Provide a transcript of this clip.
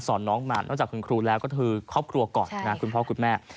น้องมานอกจากคุณครูแล้วก็คือครอบครัวก่อนนะคุณพ่อคุณแม่